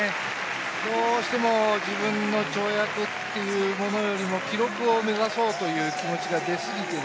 どうしても自分の跳躍というものよりも、記録を目指そうという気持ちが出過ぎて